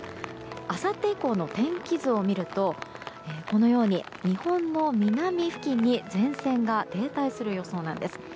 あさって以降の天気図を見るとこのように日本の南付近に前線が停滞する予想なんです。